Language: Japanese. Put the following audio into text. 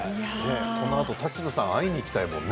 このあと田代さん、会いに行きたいですね